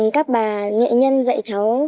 các bà nghệ nhân dạy cháu